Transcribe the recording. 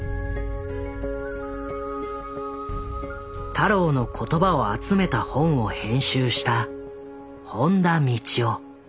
太郎の言葉を集めた本を編集した本田道生。